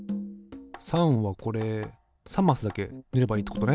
３はこれ３マスだけ塗ればいいってことね。